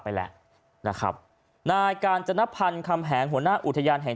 ไปแหละนะครับนายกาญจนพันธ์คำแหงหัวหน้าอุทยานแห่ง